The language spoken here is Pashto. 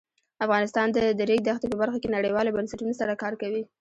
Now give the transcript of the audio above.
افغانستان د د ریګ دښتې په برخه کې نړیوالو بنسټونو سره کار کوي.